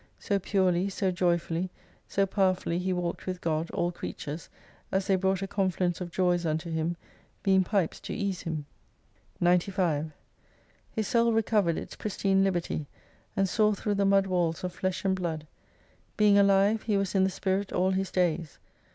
So purely, so joyfully, so powerfully he walked with God, all creatures, as they brought a confluence of joys unto him, being pipes to ease him. *33 95 His soul recovered its pristine liberty, and saw through the mud walls of flesh and blood. Being alive, he was in the spirit all his days.